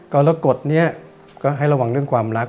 กรกฎนี้ก็ให้ระวังเรื่องความรัก